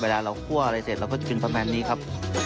เราไม่ต้องใส่น้ำมันนะครับ